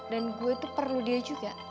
dan gue itu perlu dia juga